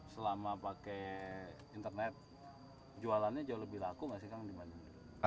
selama pakai internet jualannya jauh lebih laku gak sih kan dibandingin